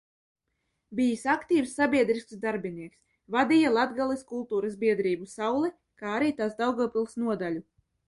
"Bijis aktīvs sabiedrisks darbinieks, vadīja Latgales kultūras biedrību "Saule", kā arī tās Daugavpils nodaļu."